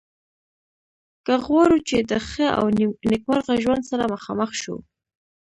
که غواړو چې د ښه او نیکمرغه ژوند سره مخامخ شو.